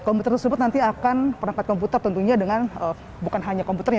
komputer tersebut nanti akan perangkat komputer tentunya dengan bukan hanya komputernya